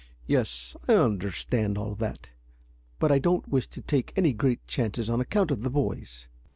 "Yes, I understand all that. But I don't wish to take any great chances on account of the boys."